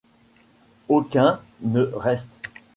Aucun ne reste.